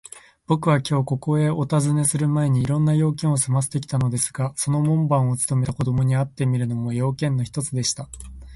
ぼくはきょう、ここへおたずねするまえに、いろいろな用件をすませてきたのですが、その門番をつとめた子どもに会ってみるのも、用件の一つでした。